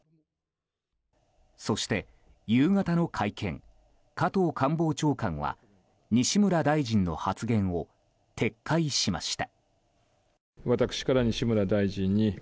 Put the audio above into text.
そして、夕方の会見加藤官房長官は西村大臣の発言を撤回しました。